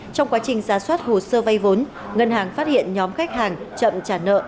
trước hồ sơ vay vốn ngân hàng phát hiện nhóm khách hàng chậm trả nợ